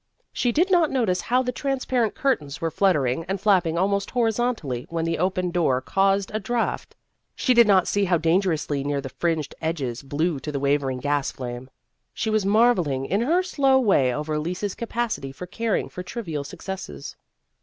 She did not notice how the trans parent curtains were fluttering and flap ping almost horizontally when the opened door caused a draught ; she did not see how dangerously near the fringed edges blew to the wavering gas flame. She was marvelling in her slow way over Elise's capacity for caring for trivial successes.